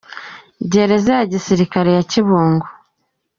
– Gereza ya gisilikali ya Kibungo,